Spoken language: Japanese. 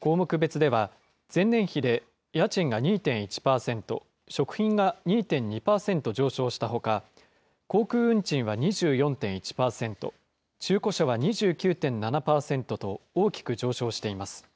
項目別では、前年比で家賃が２．１％、食品が２．２％上昇したほか、航空運賃は２４．１％、中古車は２９．７％と、大きく上昇しています。